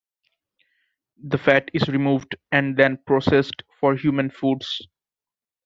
The fat is removed and then processed for human foods.